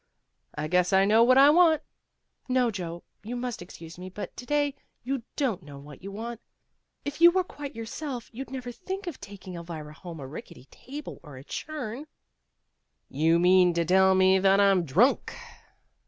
"I guess I know what I want." "No, Joe. You must excuse me, but to day you don't know what you want. If you were quite yourself you'd never think of taking Elvira home a rickety table or a churn." "You mean to tell me that I'm drunk."